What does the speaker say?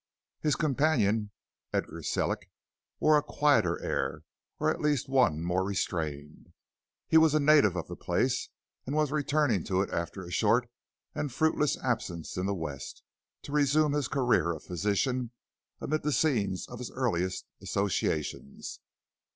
His companion, Edgar Sellick, wore a quieter air, or at least one more restrained. He was a native of the place, and was returning to it after a short and fruitless absence in the west, to resume his career of physician amid the scenes of his earliest associations.